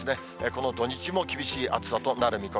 この土日も厳しい暑さとなる見込